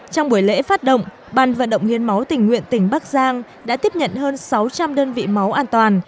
trong buổi lễ phát động ban vận động hiến máu tỉnh nguyện tỉnh bắc giang đã tiếp nhận hơn sáu trăm linh đơn vị máu an toàn